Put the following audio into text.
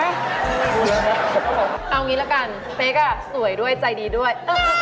เอางี้ละกันเป๊กสวยด้วยใจดีด้วย